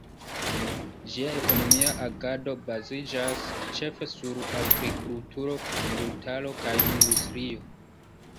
Ĝia ekonomia agado baziĝas ĉefe sur agrikulturo, brutaro kaj industrio.